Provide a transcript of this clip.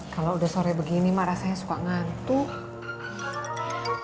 kalau udah sore begini mak rasanya suka ngantuk